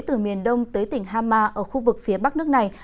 từ miền đông tới tỉnh hama ở khu vực phía bắc nước này